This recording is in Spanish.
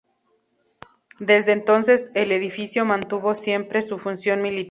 Desde entonces, el edificio mantuvo siempre su función militar.